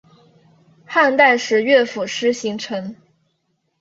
汉代时乐府诗形成。